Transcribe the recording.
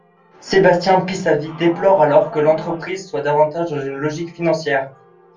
Sébastien Pissavy déplore alors que l'entreprise soit davantage dans une logique financière.